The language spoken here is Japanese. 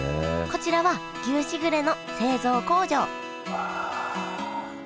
こちらは牛しぐれの製造工場うわ。